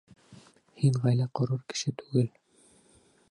Һин ғаилә ҡорор кеше түгел.